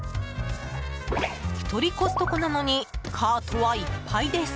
１人コストコなのにカートはいっぱいです。